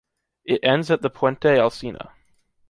It ends at the Puente Alsina.